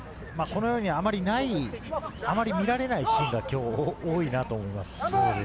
このようにあまりない、あまり見られないシーンが今日多いなと思います。